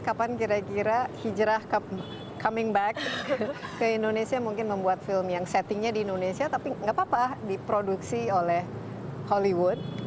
kapan kira kira hijrah coming back ke indonesia mungkin membuat film yang settingnya di indonesia tapi nggak apa apa diproduksi oleh hollywood